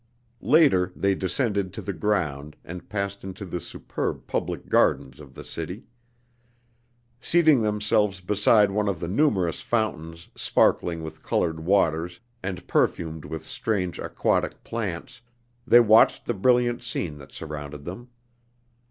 Later they descended to the ground and passed into the superb public gardens of the city. Seating themselves beside one of the numerous fountains sparkling with colored waters and perfumed with strange aquatic plants, they watched the brilliant scene that surrounded them.